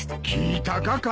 聞いたか？